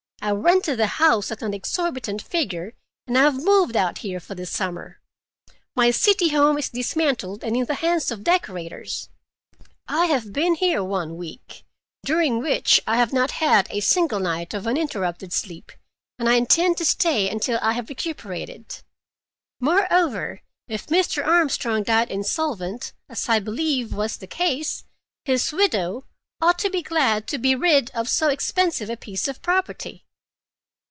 I rented the house at an exorbitant figure and I have moved out here for the summer. My city home is dismantled and in the hands of decorators. I have been here one week, during which I have had not a single night of uninterrupted sleep, and I intend to stay until I have recuperated. Moreover, if Mr. Armstrong died insolvent, as I believe was the case, his widow ought to be glad to be rid of so expensive a piece of property."